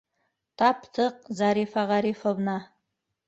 -Таптыҡ, Зарифа Ғарифовна!